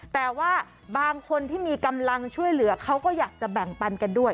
แต่ว่าบางคนที่มีกำลังช่วยเหลือเขาก็อยากจะแบ่งปันกันด้วย